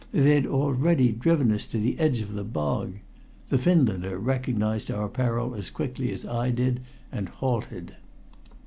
They had already driven us to the edge of the bog. The Finlander recognized our peril as quickly as I did, and halted.